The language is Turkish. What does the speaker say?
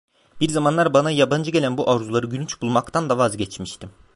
Bir zamanlar bana yabancı gelen bu arzuları gülünç bulmaktan da vazgeçmiştim.